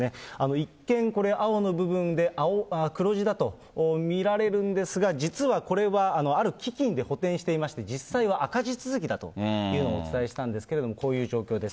一見、これ、青の部分で黒字だと見られるんですが、実はこれはある基金で補填していまして、実際は赤字続きだというのをお伝えしたんですけれども、こういう状況です。